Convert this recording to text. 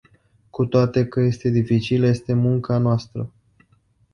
Cu toate că este dificil, este munca noastră.